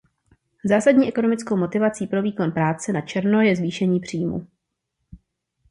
Zásadní ekonomickou motivací pro výkon práce na černo je zvýšení příjmu.